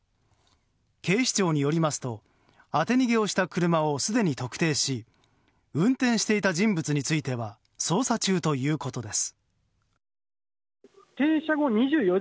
警視庁によりますと当て逃げをした車をすでに特定し運転していた人物については捜査中ということです。